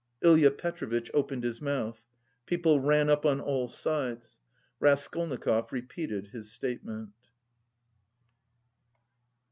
_" Ilya Petrovitch opened his mouth. People ran up on all sides. Raskolnikov repeated his statement.